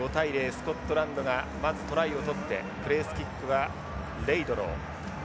スコットランドがまずトライを取ってプレースキックはレイドロウ。